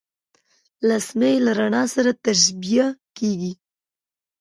لمسی له رڼا سره تشبیه کېږي.